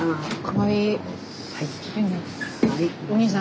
はい。